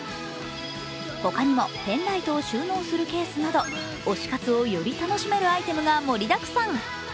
他にもペンライトを収納するケースなど、推し活をより楽しめるアイテムが盛りたくさん。